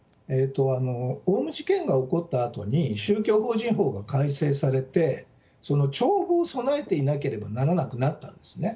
オウム事件が起こったときに、宗教法人法が改正されて、情報を備えていなければならなくなったんですね。